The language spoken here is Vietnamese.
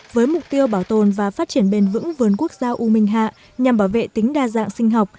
với mục tiêu bảo tồn và phát triển bền vững vườn quốc gia u minh hạ nhằm bảo vệ tính đa dạng sinh học